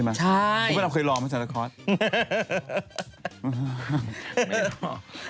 รอใช่ไหมคุณพ่อเธอเคยรอไหมสันตะคอร์ส